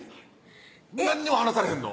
何にも話されへんの？